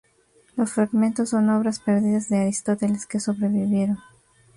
Los Fragmentos, son obras perdidas de Aristóteles que sobrevivieron.